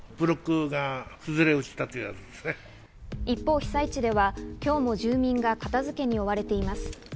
一方、被災地では今日も住民が片付けに追われています。